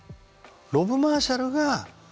ロブ・マーシャルが。